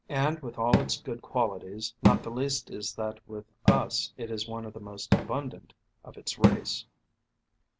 And with all its good qualities, not the least is that with us it is one of the most abundant of its race.